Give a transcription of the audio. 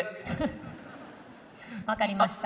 わかりました。